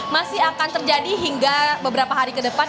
masih akan terjadi hingga beberapa hari ke depan